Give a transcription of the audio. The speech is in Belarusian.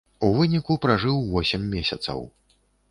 У выніку пражыў восем месяцаў.